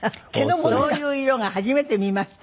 そういう色が初めて見ました。